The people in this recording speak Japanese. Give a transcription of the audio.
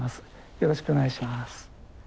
よろしくお願いします。